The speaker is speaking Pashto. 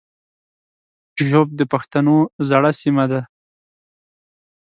ږوب د پښتنو زړه سیمه ده